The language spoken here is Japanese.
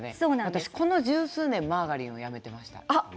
私この十数年マーガリンをやめていました。